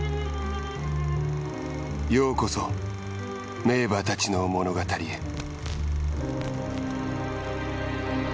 ようこそ名馬たちの物語へ。